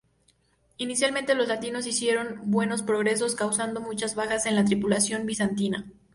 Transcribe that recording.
Inicialmente, los latinos hicieron buenos progresos, causando muchas bajas en la tripulación bizantina.